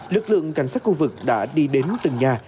lực lượng cảnh sát khu vực đã đi đến từng nhà